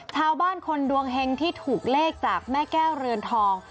ชาวบ้านคนดวงเฮงที่ถูกเลขจากแม่แก้วเรือนทอง